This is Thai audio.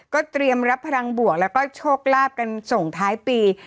ก็เตรียมรับพลังบวกแล้วก็โชคลาภกันส่งท้ายปี